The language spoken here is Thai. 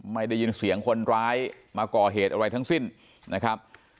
ไม่ได้ยินเสียงคนร้ายมาก่อเหตุอะไรทั้งสิ้นนะครับ